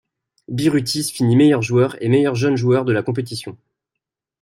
Birutis finit meilleur joueur et meilleur jeune joueur de la compétition.